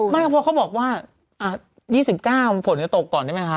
ไม่ก็เพราะเขาบอกว่า๒๙ฝนจะตกก่อนใช่ไหมคะ